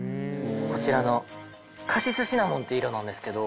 こちらのカシスシナモンっていう色なんですけど。